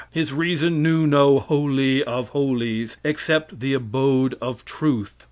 His reason knew no "Holy of Holies," except the abode of truth.